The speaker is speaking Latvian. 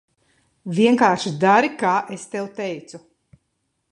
Vienkārši dari, kā es tev teicu.